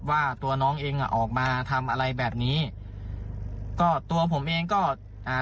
ว่าตัวน้องเองอ่ะออกมาทำอะไรแบบนี้ก็ตัวผมเองก็อ่า